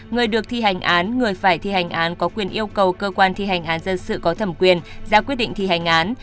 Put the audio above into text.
người được thi hành án người phải thi hành án có quyền yêu cầu cơ quan thi hành án dân sự có thẩm quyền ra quyết định thi hành án